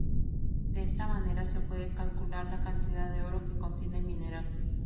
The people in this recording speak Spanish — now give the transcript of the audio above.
De esta manera se puede calcular la cantidad de oro que contiene el mineral.